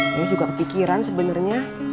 yoyoh juga kepikiran sebenarnya